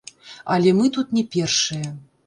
Але мы тут не першыя!